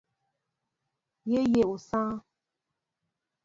Yé yéʼ osááŋ.